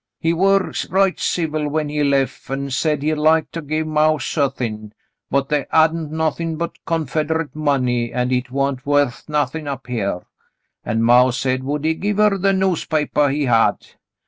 "He war right civil when he lef, an' said he'd like to give maw suthin', but they hadn't nothin' but Confed'rate money, an' hit wa'n't worth nothin' up here ; an' maw said would he give her the newspapah he had.